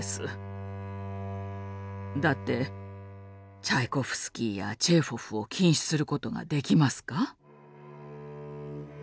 だってチャイコフスキーやチェーホフを禁止することができますか？